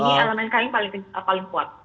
kalau tahun ini elemen kayu paling kuat